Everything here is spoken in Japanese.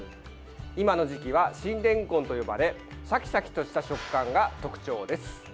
今の時期は新れんこんと呼ばれシャキシャキとした食感が特徴です。